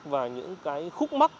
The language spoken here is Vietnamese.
và những cái khúc mắt